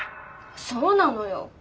そうなのよ。